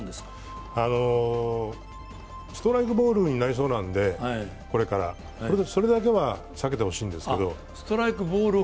これからストライクボールになりそうなんで、それだけは避けてほしいんですけど。